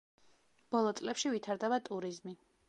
ბოლო წლებში ვითარდება ტურიზმი.